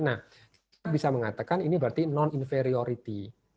nah bisa mengatakan ini berarti non inferiority